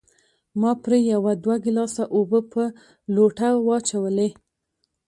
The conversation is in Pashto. ما ترې يو دوه ګلاسه اوبۀ پۀ لوټه واچولې